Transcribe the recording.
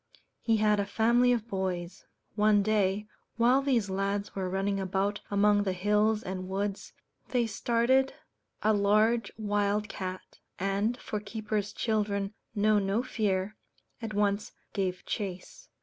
He had a family of boys. One day, while these lads were running about among the hills and woods, they started a large wild cat, and for keepers' children know no fear at once gave chase.